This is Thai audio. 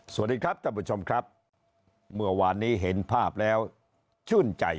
สวัสดีครับท่านผู้ชมครับเมื่อวานนี้เห็นภาพแล้วชื่นใจ